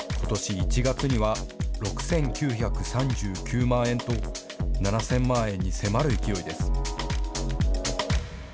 １月には６９３９万円と７０００万円に迫る勢いです。